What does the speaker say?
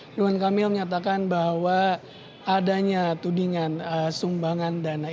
ridwan kamil menyatakan bahwa adanya tudingan sumbangan dana